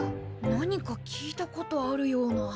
何か聞いたことあるような。